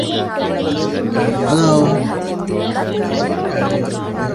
އަހަރެން ދިރިއުޅޭ ތަނުގައި ހުރިހާ އެއްޗެއްވެސް ވަރަށް ކުޑަވާނެ